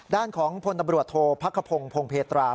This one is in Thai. ด้านของพลตำรวจโทษพักขพงศ์พงเพตรา